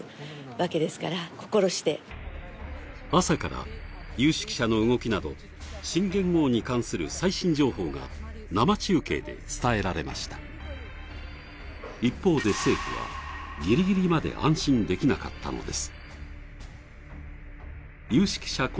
朝から有識者の動きなど新元号に関する最新情報が生中継で伝えられました一方で政府はギリギリまで安心できなかったのです有識者